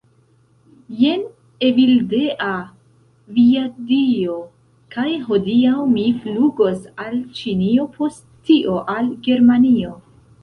Jen Evildea. Via Dio. kaj hodiaŭ mi flugos al ĉinio post tio, al Germanio